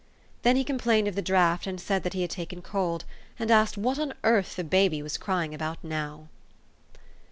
Then he complained of the draught, and said that he had taken colcl, and asked what on earth the baby was crying about now.